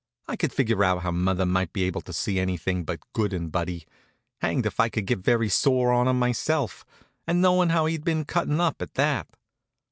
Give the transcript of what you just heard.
I could figure out how mother might be able not to see anything but good in Buddy. Hanged if I could get very sore on him myself, and knowin' how he'd been cuttin' up, at that.